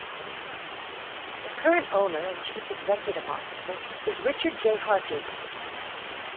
The current owner and chief executive officer is Richard J. Hartig.